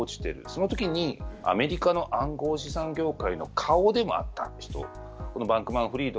そのときにアメリカの暗号資産業界の顔でもあった人。